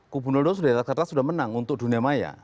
kubu dua sudah menang untuk dunia maya